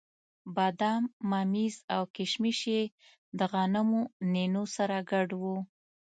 بادام، ممیز او کېشمش یې د غنمو نینو سره ګډ وو.